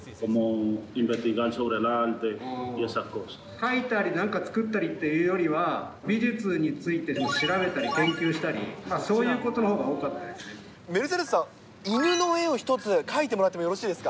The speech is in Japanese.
描いたり、なんか作ったりっていうよりは、美術について調べたり、研究したり、そういうことのほうが多かったです。